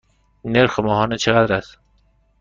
نرخ ماهانه چقدر است؟